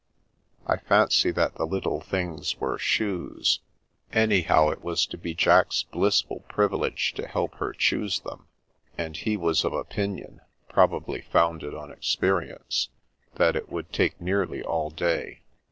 I fancy that the little things were shoes; anyhow, it was to be Jack's blissful privilege to help her choose them, and he was of opinion (probably Pots, Kettles, and Other Things 43 founded on experience) that it would take nearly all day.